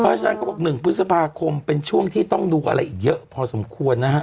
เพราะฉะนั้นเขาบอก๑พฤษภาคมเป็นช่วงที่ต้องดูอะไรอีกเยอะพอสมควรนะฮะ